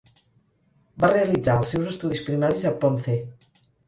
Va realitzar els seus estudis primaris a Ponce.